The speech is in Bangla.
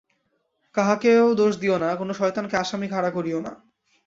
কাহাকেও দোষ দিও না, কোন শয়তানকে আসামী খাড়া করিও না।